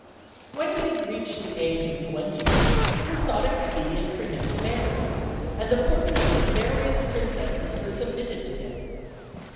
When he had reached the age of twenty it was thought expedient for him to marry, and the portraits of various princesses were submitted to him.